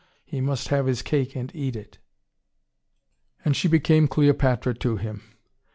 He must have his cake and eat it. And she became Cleopatra to him.